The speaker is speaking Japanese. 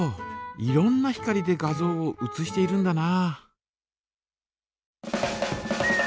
いろんな光で画像を写しているんだな。